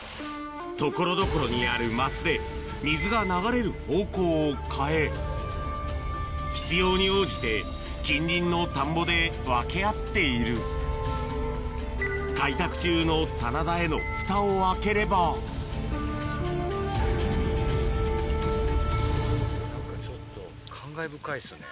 所々にある升で水が流れる方向を変え必要に応じて開拓中の棚田へのフタを開ければ何かちょっと感慨深いですよね。